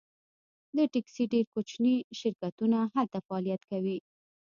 د ټکسي ډیر کوچني شرکتونه هلته فعالیت کوي